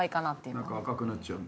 なんか赤くなっちゃうの？